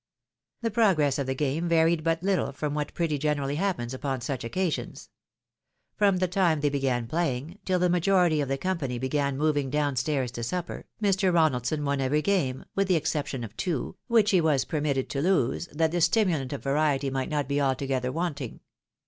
The progress of the game varied but httle from what pretty generally happens upon such occasions. From the time tliey began playing, till the majority of the company began moving down stairs to supper, Mr. Ronaldson won every game, with the exception of two, which he was permitted to lose, that the sti mulant of variety might not be altogether wanting.